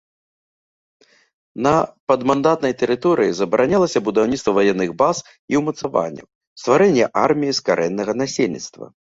На падмандатнай тэрыторыі забаранялася будаўніцтва ваенных баз і ўмацаванняў, стварэнне арміі з карэннага насельніцтва.